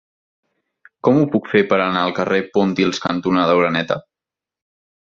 Com ho puc fer per anar al carrer Pontils cantonada Oreneta?